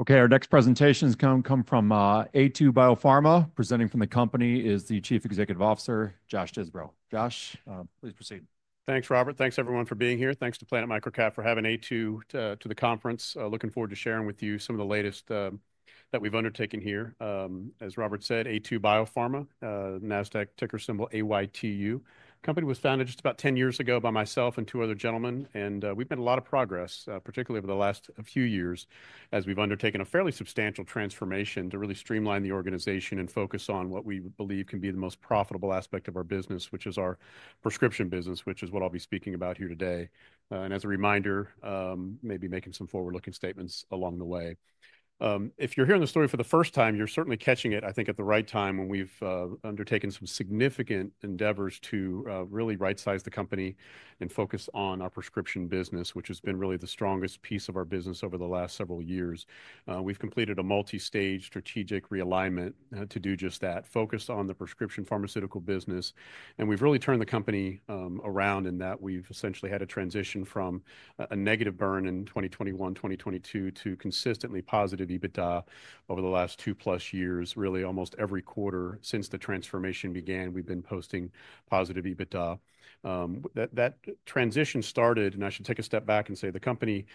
Okay, our next presentation is coming from Aytu BioPharma. Presenting from the company is the Chief Executive Officer, Josh Disbrow. Josh, please proceed. Thanks, Robert. Thanks, everyone, for being here. Thanks to Planet Microcap for having Aytu to the conference. Looking forward to sharing with you some of the latest that we've undertaken here. As Robert said, Aytu BioPharma, NASDAQ ticker symbol AYTU. The company was founded just about 10 years ago by myself and two other gentlemen, and we've made a lot of progress, particularly over the last few years, as we've undertaken a fairly substantial transformation to really streamline the organization and focus on what we believe can be the most profitable aspect of our business, which is our prescription business, which is what I'll be speaking about here today. As a reminder, maybe making some forward-looking statements along the way. If you're hearing the story for the first time, you're certainly catching it, I think, at the right time when we've undertaken some significant endeavors to really right-size the company and focus on our prescription business, which has been really the strongest piece of our business over the last several years. We've completed a multi-stage strategic realignment to do just that, focused on the prescription pharmaceutical business. We've really turned the company around in that we've essentially had a transition from a negative burn in 2021, 2022, to consistently positive EBITDA over the last two plus years, really almost every quarter since the transformation began, we've been posting positive EBITDA. That transition started, and I should take a step back and say the company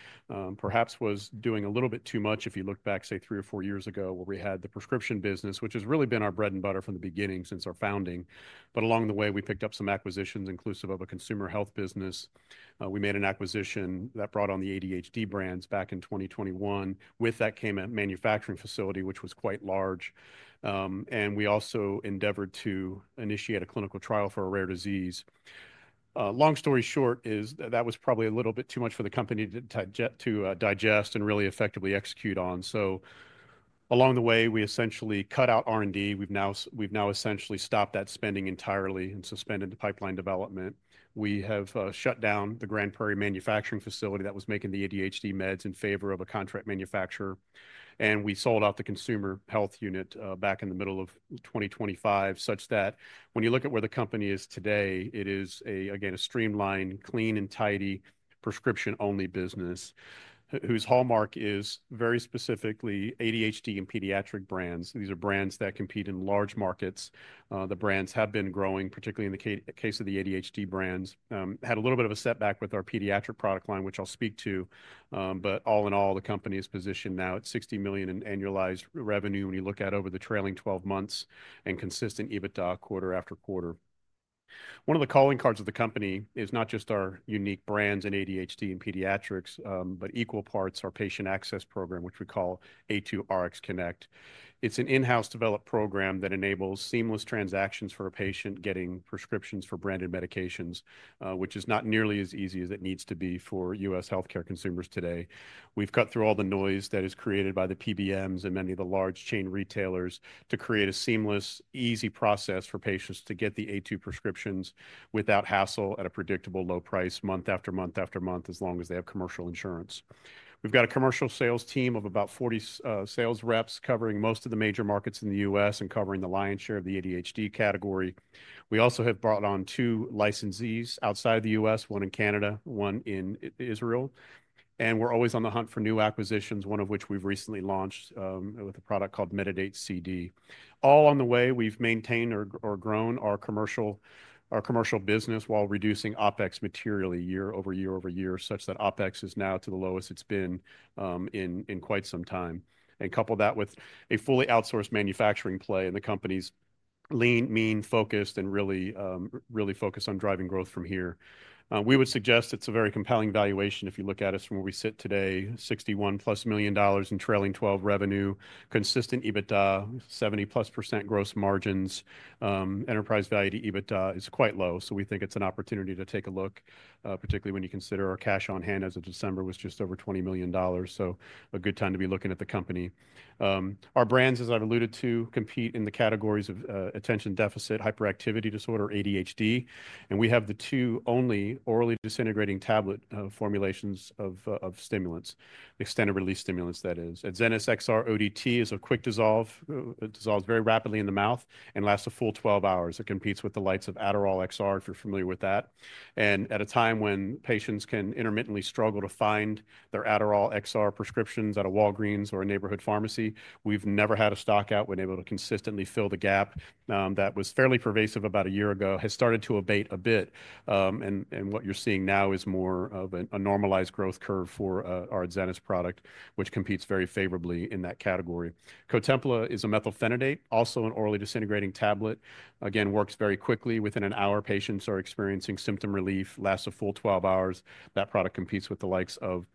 perhaps was doing a little bit too much if you look back, say, three or four years ago where we had the prescription business, which has really been our bread and butter from the beginning since our founding. Along the way, we picked up some acquisitions inclusive of a consumer health business. We made an acquisition that brought on the ADHD brands back in 2021. With that came a manufacturing facility, which was quite large. We also endeavored to initiate a clinical trial for a rare disease. Long story short, that was probably a little bit too much for the company to digest and really effectively execute on. Along the way, we essentially cut out R&D. We've now essentially stopped that spending entirely and suspended the pipeline development. We have shut down the Grand Prairie manufacturing facility that was making the ADHD meds in favor of a contract manufacturer. We sold out the consumer health unit back in the middle of 2025, such that when you look at where the company is today, it is, again, a streamlined, clean, and tidy prescription-only business whose hallmark is very specifically ADHD and pediatric brands. These are brands that compete in large markets. The brands have been growing, particularly in the case of the ADHD brands. Had a little bit of a setback with our pediatric product line, which I'll speak to. All in all, the company is positioned now at $60 million in annualized revenue when you look at over the trailing 12 months and consistent EBITDA quarter after quarter. One of the calling cards of the company is not just our unique brands in ADHD and pediatrics, but equal parts our patient access program, which we call A2Rx Connect. It's an in-house developed program that enables seamless transactions for a patient getting prescriptions for branded medications, which is not nearly as easy as it needs to be for U.S. healthcare consumers today. We've cut through all the noise that is created by the PBMs and many of the large chain retailers to create a seamless, easy process for patients to get the A2 prescriptions without hassle at a predictable low price month after month after month, as long as they have commercial insurance. We've got a commercial sales team of about 40 sales reps covering most of the major markets in the U.S. and covering the lion's share of the ADHD category. We also have brought on two licensees outside of the U.S., one in Canada, one in Israel. We are always on the hunt for new acquisitions, one of which we have recently launched with a product called Metadate CD. All along the way, we have maintained or grown our commercial business while reducing OPEX materially year over year over year, such that OPEX is now at the lowest it has been in quite some time. Couple that with a fully outsourced manufacturing play and the company is lean, mean, focused, and really focused on driving growth from here. We would suggest it is a very compelling valuation if you look at us from where we sit today, +$61 million in trailing 12 revenue, consistent EBITDA, 70%+ gross margins. Enterprise value to EBITDA is quite low, so we think it's an opportunity to take a look, particularly when you consider our cash on hand as of December was just over $20 million. A good time to be looking at the company. Our brands, as I've alluded to, compete in the categories of attention deficit hyperactivity disorder, ADHD, and we have the two only orally disintegrating tablet formulations of stimulants, extended release stimulants, that is. Adzenys XR-ODT is a quick dissolve, dissolves very rapidly in the mouth and lasts a full 12 hours. It competes with the likes of Adderall XR, if you're familiar with that. At a time when patients can intermittently struggle to find their Adderall XR prescriptions at a Walgreens or a neighborhood pharmacy, we've never had a stockout. We're able to consistently fill the gap that was fairly pervasive about a year ago, has started to abate a bit. What you're seeing now is more of a normalized growth curve for our Zenith product, which competes very favorably in that category. Cotempla is a methylphenidate, also an orally disintegrating tablet. Again, works very quickly. Within an hour, patients are experiencing symptom relief, lasts a full 12 hours. That product competes with the likes of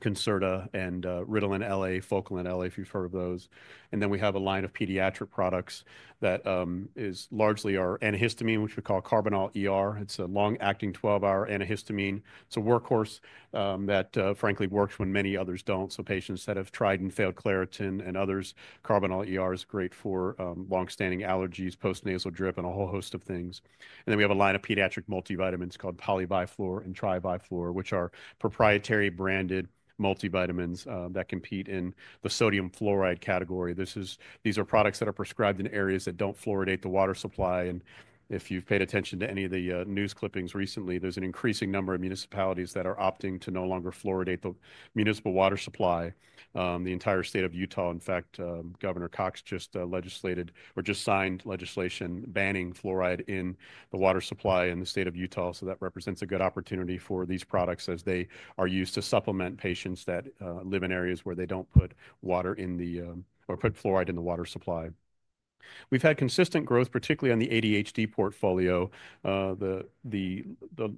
Concerta and Ritalin LA, Focalin LA, if you've heard of those. We have a line of pediatric products that is largely our antihistamine, which we call Karbinal. It's a long-acting 12-hour antihistamine. It's a workhorse that, frankly, works when many others don't. Patients that have tried and failed Claritin and others, Karbinal is great for long-standing allergies, post-nasal drip, and a whole host of things. We have a line of pediatric multivitamins called Poly-Vi-Flor and Tri-Vi-Flor, which are proprietary branded multivitamins that compete in the sodium fluoride category. These are products that are prescribed in areas that do not fluoridate the water supply. If you have paid attention to any of the news clippings recently, there is an increasing number of municipalities that are opting to no longer fluoridate the municipal water supply. The entire state of Utah, in fact, Governor Cox just signed legislation banning fluoride in the water supply in the state of Utah. That represents a good opportunity for these products as they are used to supplement patients that live in areas where they do not put fluoride in the water supply. We have had consistent growth, particularly on the ADHD portfolio. The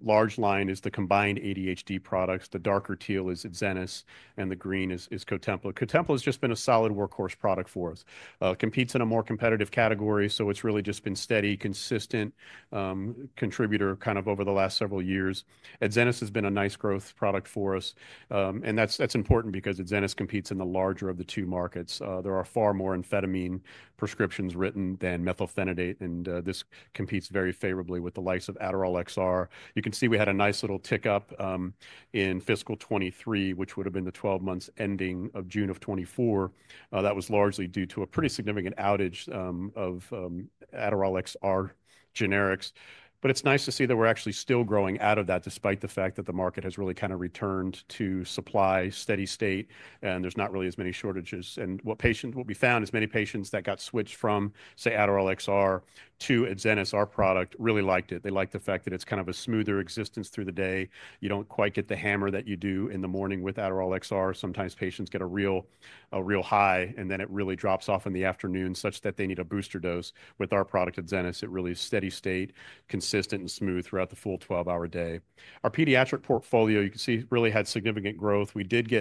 large line is the combined ADHD products. The darker teal is Zenith, and the green is Cotempla. Cotempla has just been a solid workhorse product for us. Competes in a more competitive category, so it's really just been steady, consistent contributor kind of over the last several years. At Zenith, it has been a nice growth product for us. That is important because Zenith competes in the larger of the two markets. There are far more amphetamine prescriptions written than methylphenidate, and this competes very favorably with the likes of Adderall XR. You can see we had a nice little tick up in fiscal 2023, which would have been the 12 months ending June of 2024. That was largely due to a pretty significant outage of Adderall XR generics. It is nice to see that we are actually still growing out of that, despite the fact that the market has really kind of returned to supply steady state, and there are not really as many shortages. What patients have found is many patients that got switched from, say, Adderall XR to an Adzenys XR-ODT product really liked it. They liked the fact that it is kind of a smoother existence through the day. You do not quite get the hammer that you do in the morning with Adderall XR. Sometimes patients get a real high, and then it really drops off in the afternoon such that they need a booster dose. With our product at Adzenys, it really is steady state, consistent, and smooth throughout the full 12-hour day. Our pediatric portfolio, you can see, really had significant growth. We did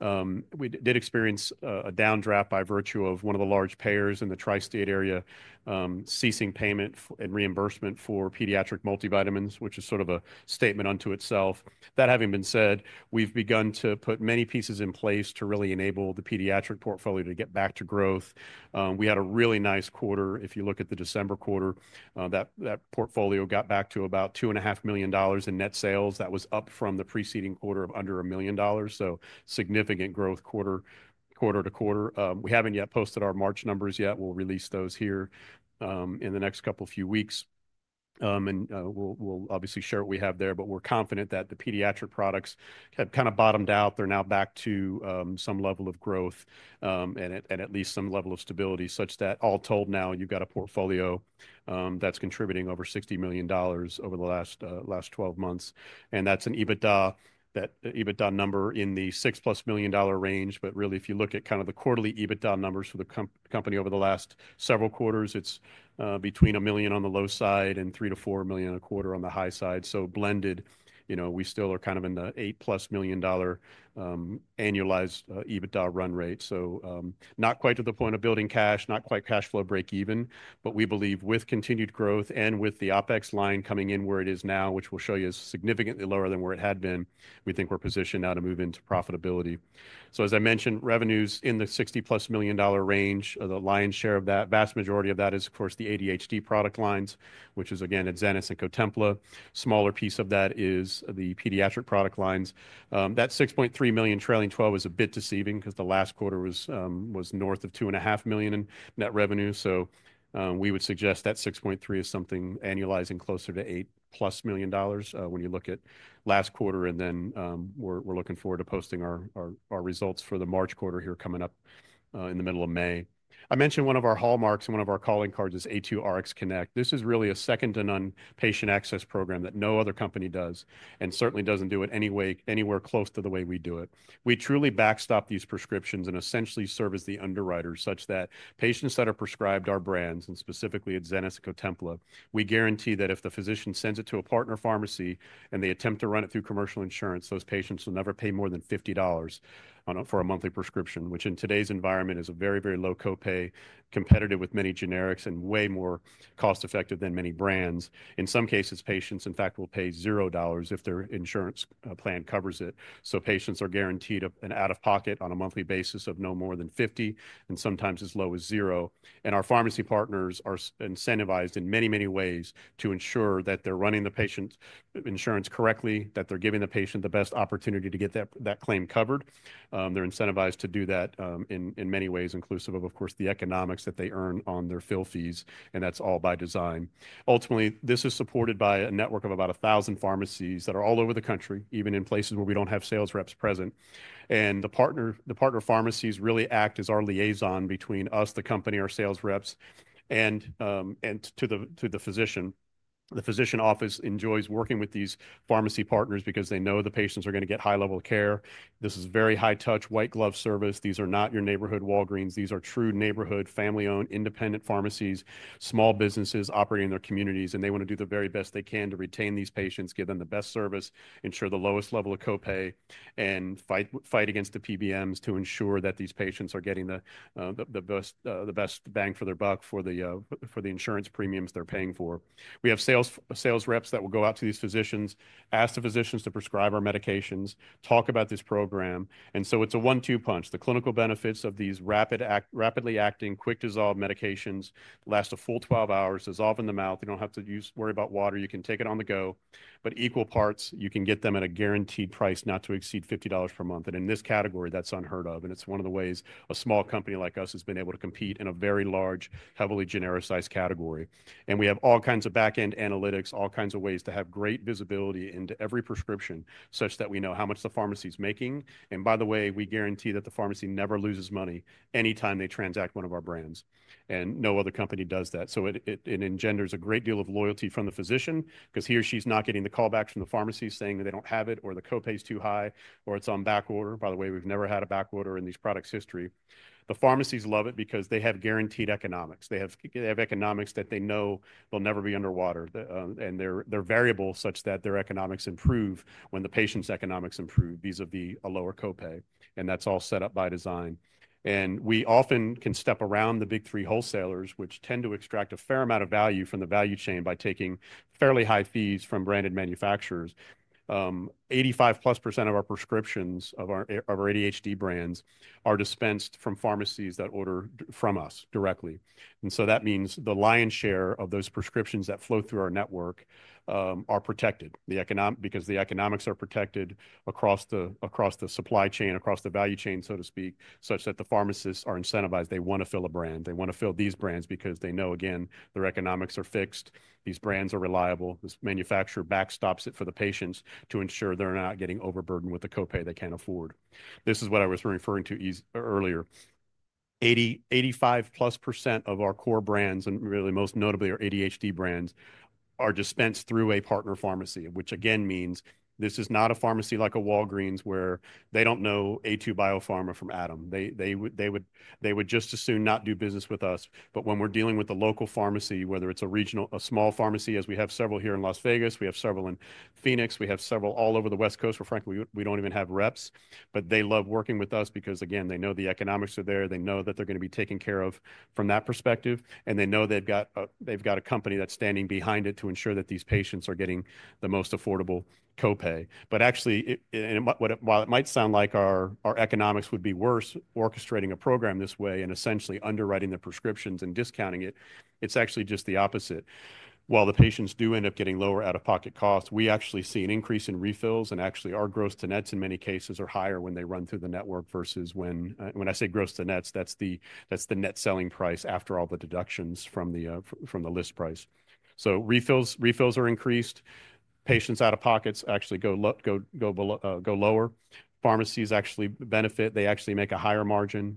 experience a downdraft by virtue of one of the large payers in the tri-state area ceasing payment and reimbursement for pediatric multivitamins, which is sort of a statement unto itself. That having been said, we've begun to put many pieces in place to really enable the pediatric portfolio to get back to growth. We had a really nice quarter. If you look at the December quarter, that portfolio got back to about $2.5 million in net sales. That was up from the preceding quarter of under $1 million. Significant growth quarter to quarter. We haven't yet posted our March numbers yet. We'll release those here in the next couple of few weeks. We'll obviously share what we have there, but we're confident that the pediatric products have kind of bottomed out. They're now back to some level of growth and at least some level of stability such that all told now you've got a portfolio that's contributing over $60 million over the last 12 months. And that's an EBITDA number in the +$6 million range. But really, if you look at kind of the quarterly EBITDA numbers for the company over the last several quarters, it's between $1 million on the low side and $3 million-$4 million a quarter on the high side. So blended, we still are kind of in the +$8 million annualized EBITDA run rate. So not quite to the point of building cash, not quite cash flow break even. We believe with continued growth and with the OPEX line coming in where it is now, which we'll show you is significantly lower than where it had been, we think we're positioned now to move into profitability. As I mentioned, revenues in the +$60 million range, the lion's share of that, vast majority of that is, of course, the ADHD product lines, which is, again, Adzenys and Cotempla. Smaller piece of that is the pediatric product lines. That $6.3 million trailing 12 was a bit deceiving because the last quarter was north of $2.5 million in net revenue. We would suggest that $6.3 million is something annualizing closer to +$8 million when you look at last quarter. We are looking forward to posting our results for the March quarter here coming up in the middle of May. I mentioned one of our hallmarks and one of our calling cards is A2Rx Connect. This is really a second to none patient access program that no other company does and certainly does not do it anywhere close to the way we do it. We truly backstop these prescriptions and essentially serve as the underwriter such that patients that are prescribed our brands and specifically Adzenys, Cotempla, we guarantee that if the physician sends it to a partner pharmacy and they attempt to run it through commercial insurance, those patients will never pay more than $50 for a monthly prescription, which in today's environment is a very, very low copay, competitive with many generics and way more cost-effective than many brands. In some cases, patients, in fact, will pay $0 if their insurance plan covers it. Patients are guaranteed an out-of-pocket on a monthly basis of no more than $50 and sometimes as low as zero. Our pharmacy partners are incentivized in many, many ways to ensure that they're running the patient's insurance correctly, that they're giving the patient the best opportunity to get that claim covered. They're incentivized to do that in many ways, inclusive of, of course, the economics that they earn on their fill fees. That's all by design. Ultimately, this is supported by a network of about 1,000 pharmacies that are all over the country, even in places where we don't have sales reps present. The partner pharmacies really act as our liaison between us, the company, our sales reps, and to the physician. The physician office enjoys working with these pharmacy partners because they know the patients are going to get high-level care. This is very high-touch, white-glove service. These are not your neighborhood Walgreens. These are true neighborhood, family-owned, independent pharmacies, small businesses operating in their communities. They want to do the very best they can to retain these patients, give them the best service, ensure the lowest level of copay, and fight against the PBMs to ensure that these patients are getting the best bang for their buck for the insurance premiums they're paying for. We have sales reps that will go out to these physicians, ask the physicians to prescribe our medications, talk about this program. It's a one-two punch. The clinical benefits of these rapidly acting, quick-dissolved medications last a full 12 hours, dissolve in the mouth. You don't have to worry about water. You can take it on the go. You can get them at a guaranteed price not to exceed $50 per month. In this category, that's unheard of. It's one of the ways a small company like us has been able to compete in a very large, heavily genericized category. We have all kinds of back-end analytics, all kinds of ways to have great visibility into every prescription such that we know how much the pharmacy is making. By the way, we guarantee that the pharmacy never loses money anytime they transact one of our brands. No other company does that. It engenders a great deal of loyalty from the physician because he or she is not getting the callbacks from the pharmacy saying that they do not have it or the copay is too high or it is on back order. By the way, we've never had a back order in these products' history. The pharmacies love it because they have guaranteed economics. They have economics that they know will never be underwater. They're variable such that their economics improve when the patient's economics improve vis-à-vis a lower copay. That's all set up by design. We often can step around the big three wholesalers, which tend to extract a fair amount of value from the value chain by taking fairly high fees from branded manufacturers. 85%+ of our prescriptions of our ADHD brands are dispensed from pharmacies that order from us directly. That means the lion's share of those prescriptions that flow through our network are protected because the economics are protected across the supply chain, across the value chain, so to speak, such that the pharmacists are incentivized. They want to fill a brand. They want to fill these brands because they know, again, their economics are fixed. These brands are reliable. This manufacturer backstops it for the patients to ensure they're not getting overburdened with the copay they can't afford. This is what I was referring to earlier. 85%+ of our core brands, and really most notably our ADHD brands, are dispensed through a partner pharmacy, which again means this is not a pharmacy like a Walgreens where they don't know Aytu BioPharma from Adam. They would just as soon not do business with us. When we're dealing with the local pharmacy, whether it's a regional, a small pharmacy, as we have several here in Las Vegas, we have several in Phoenix, we have several all over the West Coast where, frankly, we don't even have reps. They love working with us because, again, they know the economics are there. They know that they're going to be taken care of from that perspective. They know they've got a company that's standing behind it to ensure that these patients are getting the most affordable copay. Actually, while it might sound like our economics would be worse orchestrating a program this way and essentially underwriting the prescriptions and discounting it, it's actually just the opposite. While the patients do end up getting lower out-of-pocket costs, we actually see an increase in refills. Actually, our gross to nets in many cases are higher when they run through the network versus when I say gross to nets, that's the net selling price after all the deductions from the list price. Refills are increased. Patients' out-of-pockets actually go lower. Pharmacies actually benefit. They actually make a higher margin.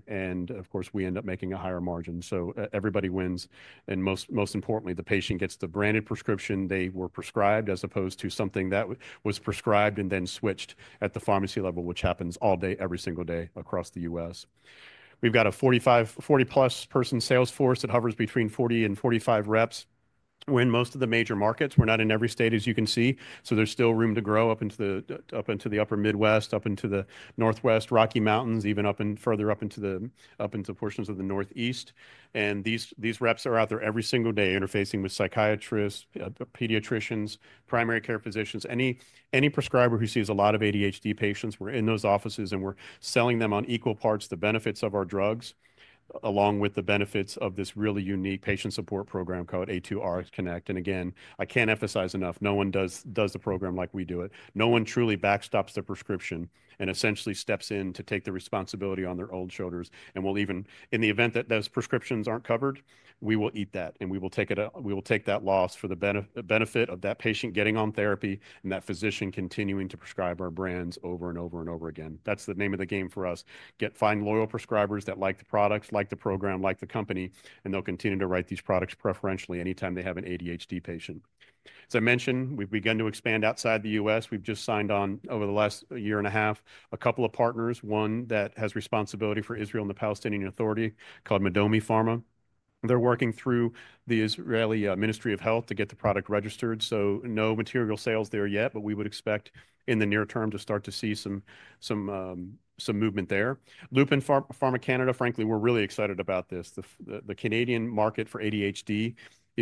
Of course, we end up making a higher margin. Everybody wins. Most importantly, the patient gets the branded prescription they were prescribed as opposed to something that was prescribed and then switched at the pharmacy level, which happens all day, every single day across the U.S. We've got a 40+ person sales force that hovers between 40 and 45 reps in most of the major markets. We're not in every state, as you can see. There's still room to grow up into the upper Midwest, up into the Northwest, Rocky Mountains, even further up into portions of the Northeast. These reps are out there every single day interfacing with psychiatrists, pediatricians, primary care physicians. Any prescriber who sees a lot of ADHD patients, we're in those offices and we're selling them on equal parts the benefits of our drugs along with the benefits of this really unique patient support program called A2Rx Connect. I can't emphasize enough, no one does the program like we do it. No one truly backstops their prescription and essentially steps in to take the responsibility on their own shoulders. In the event that those prescriptions aren't covered, we will eat that. We will take that loss for the benefit of that patient getting on therapy and that physician continuing to prescribe our brands over and over and over again. That's the name of the game for us. Find loyal prescribers that like the products, like the program, like the company, and they'll continue to write these products preferentially anytime they have an ADHD patient. As I mentioned, we've begun to expand outside the U.S. We've just signed on over the last year and a half a couple of partners, one that has responsibility for Israel and the Palestinian Authority called Madomi Pharma. They're working through the Israeli Ministry of Health to get the product registered. No material sales there yet, but we would expect in the near term to start to see some movement there. Lupin Pharmaceuticals Canada, frankly, we're really excited about this. The Canadian market for ADHD is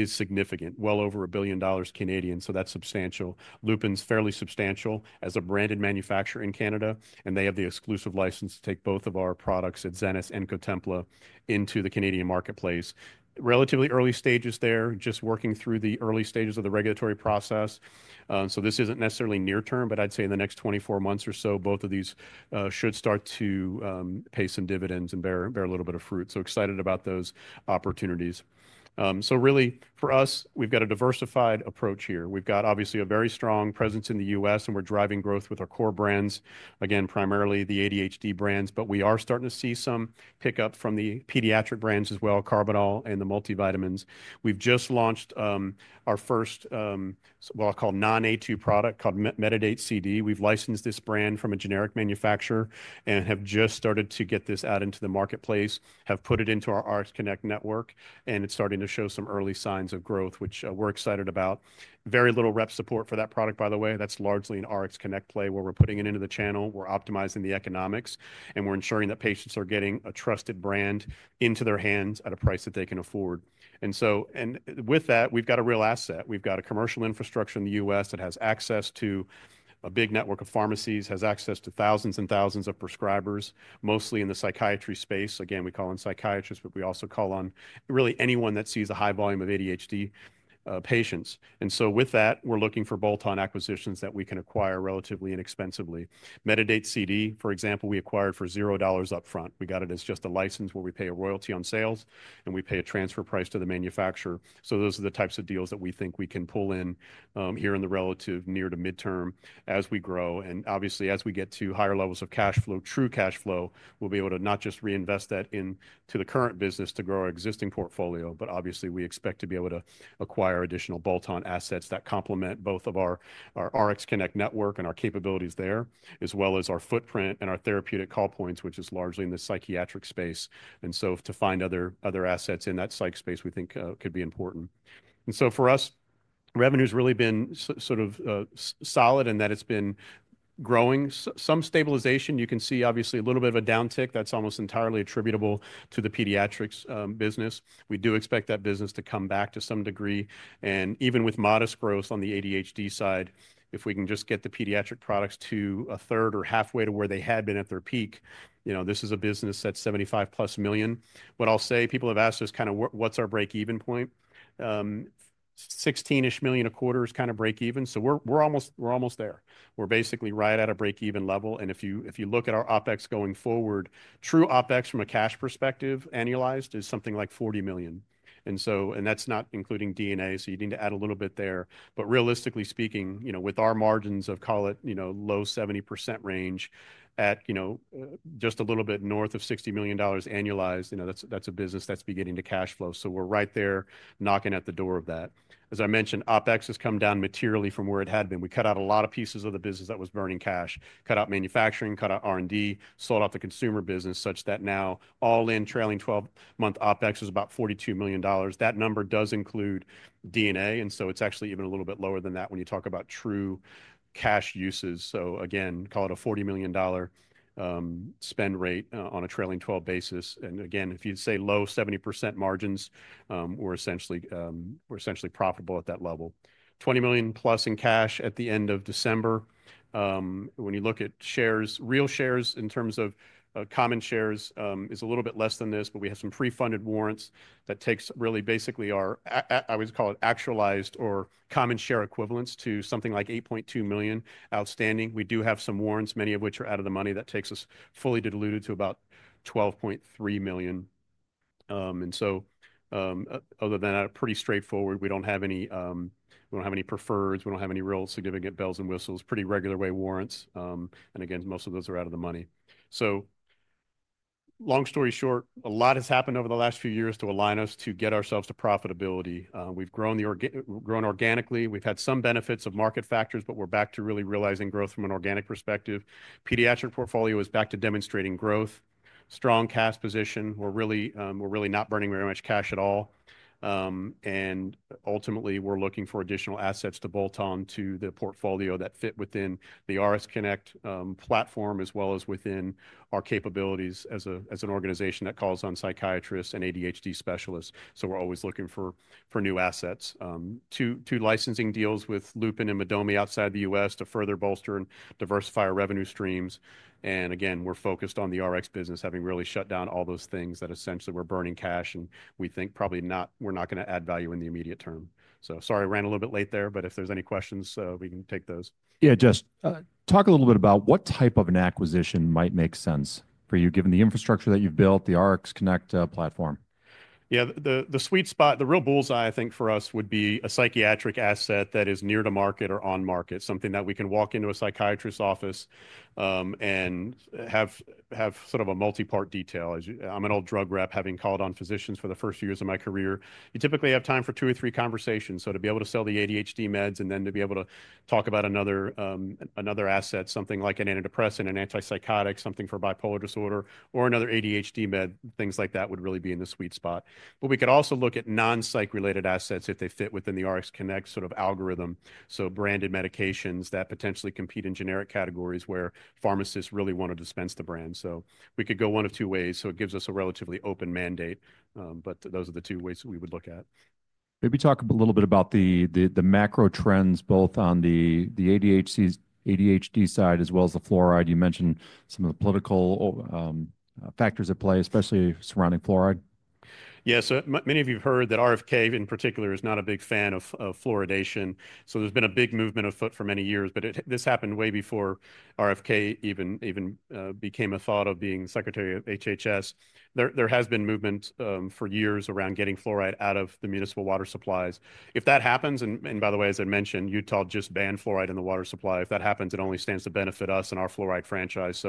significant, well over 1 billion dollars. That's substantial. Lupin's fairly substantial as a branded manufacturer in Canada. They have the exclusive license to take both of our products, Adzenys and Cotempla, into the Canadian marketplace. Relatively early stages there, just working through the early stages of the regulatory process. This isn't necessarily near term, but I'd say in the next 24 months or so, both of these should start to pay some dividends and bear a little bit of fruit. Excited about those opportunities. Really, for us, we've got a diversified approach here. We've got obviously a very strong presence in the U.S., and we're driving growth with our core brands, again, primarily the ADHD brands. We are starting to see some pickup from the pediatric brands as well, Karbinal and the multivitamins. We've just launched our first, what I'll call non-A2 product called Metadate CD. We've licensed this brand from a generic manufacturer and have just started to get this out into the marketplace, have put it into our A2Rx Connect network, and it's starting to show some early signs of growth, which we're excited about. Very little rep support for that product, by the way. That's largely an A2Rx Connect play where we're putting it into the channel. We're optimizing the economics, and we're ensuring that patients are getting a trusted brand into their hands at a price that they can afford. With that, we've got a real asset. We've got a commercial infrastructure in the U.S. that has access to a big network of pharmacies, has access to thousands and thousands of prescribers, mostly in the psychiatry space. Again, we call in psychiatrists, but we also call on really anyone that sees a high volume of ADHD patients. With that, we're looking for bolt-on acquisitions that we can acquire relatively inexpensively. Medikate CD, for example, we acquired for $0 upfront. We got it as just a license where we pay a royalty on sales, and we pay a transfer price to the manufacturer. Those are the types of deals that we think we can pull in here in the relative near to midterm as we grow. Obviously, as we get to higher levels of cash flow, true cash flow, we'll be able to not just reinvest that into the current business to grow our existing portfolio, but obviously, we expect to be able to acquire additional bolt-on assets that complement both of our A2Rx Connect network and our capabilities there, as well as our footprint and our therapeutic call points, which is largely in the psychiatric space. To find other assets in that psych space, we think could be important. For us, revenue has really been sort of solid in that it's been growing. Some stabilization, you can see obviously a little bit of a downtick. That's almost entirely attributable to the pediatrics business. We do expect that business to come back to some degree. Even with modest growth on the ADHD side, if we can just get the pediatric products to a third or halfway to where they had been at their peak, this is a business that's +$75 million. What I'll say, people have asked us kind of what's our break-even point. $16 million a quarter is kind of break-even. We're almost there. We're basically right at a break-even level. If you look at our OpEx going forward, true OpEx from a cash perspective annualized is something like $40 million. That's not including D&A, so you need to add a little bit there. Realistically speaking, with our margins of, call it low 70% range at just a little bit north of $60 million annualized, that's a business that's beginning to cash flow. We're right there knocking at the door of that. As I mentioned, OpEx has come down materially from where it had been. We cut out a lot of pieces of the business that was burning cash, cut out manufacturing, cut out R&D, sold off the consumer business such that now all-in trailing 12-month OpEx is about $42 million. That number does include D&A. It's actually even a little bit lower than that when you talk about true cash uses. Again, call it a $40 million spend rate on a trailing 12 basis. Again, if you say low 70% margins, we're essentially profitable at that level. +$20 million in cash at the end of December. When you look at shares, real shares in terms of common shares is a little bit less than this, but we have some pre-funded warrants that takes really basically our, I would call it actualized or common share equivalents to something like 8.2 million outstanding. We do have some warrants, many of which are out of the money that takes us fully diluted to about 12.3 million. Other than that, pretty straightforward. We do not have any preferreds. We do not have any real significant bells and whistles, pretty regular way warrants. Again, most of those are out of the money. Long story short, a lot has happened over the last few years to align us to get ourselves to profitability. We have grown organically. We have had some benefits of market factors, but we are back to really realizing growth from an organic perspective. Pediatric portfolio is back to demonstrating growth, strong cash position. We're really not burning very much cash at all. Ultimately, we're looking for additional assets to bolt on to the portfolio that fit within the A2Rx Connect platform as well as within our capabilities as an organization that calls on psychiatrists and ADHD specialists. We're always looking for new assets, two licensing deals with Lupin and Madomi outside the U.S. to further bolster and diversify our revenue streams. Again, we're focused on the Rx business, having really shut down all those things that essentially were burning cash, and we think probably we're not going to add value in the immediate term. Sorry, I ran a little bit late there, but if there's any questions, we can take those. Yeah, just talk a little bit about what type of an acquisition might make sense for you, given the infrastructure that you've built, the A2Rx Connect platform. Yeah, the sweet spot, the real bullseye, I think for us would be a psychiatric asset that is near to market or on market, something that we can walk into a psychiatrist's office and have sort of a multi-part detail. I'm an old drug rep, having called on physicians for the first few years of my career. You typically have time for two or three conversations. To be able to sell the ADHD meds and then to be able to talk about another asset, something like an antidepressant, an antipsychotic, something for bipolar disorder, or another ADHD med, things like that would really be in the sweet spot. We could also look at non-psych-related assets if they fit within the RxConnect sort of algorithm. Branded medications that potentially compete in generic categories where pharmacists really want to dispense the brand. We could go one of two ways. It gives us a relatively open mandate, but those are the two ways we would look at. Maybe talk a little bit about the macro trends both on the ADHD side as well as the fluoride. You mentioned some of the political factors at play, especially surrounding fluoride. Yeah, many of you have heard that RFK in particular is not a big fan of fluoridation. There has been a big movement afoot for many years, but this happened way before RFK even became a thought of being Secretary of HHS. There has been movement for years around getting fluoride out of the municipal water supplies. If that happens, and by the way, as I mentioned, Utah just banned fluoride in the water supply. If that happens, it only stands to benefit us and our fluoride franchise.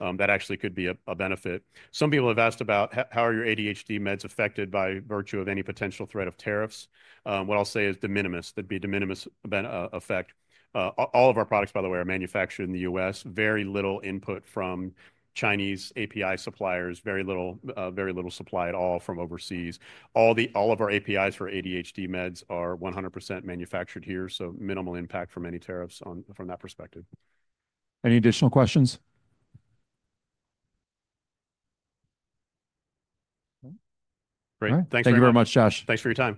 That actually could be a benefit. Some people have asked about how are your ADHD meds affected by virtue of any potential threat of tariffs. What I'll say is de minimis. There'd be a de minimis effect. All of our products, by the way, are manufactured in the U.S. Very little input from Chinese API suppliers, very little supply at all from overseas. All of our APIs for ADHD meds are 100% manufactured here. Minimal impact from any tariffs from that perspective. Any additional questions? Great. Thank you very much, Josh. Thanks for the time.